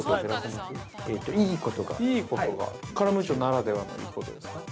◆カラムーチョならではのいいことですか。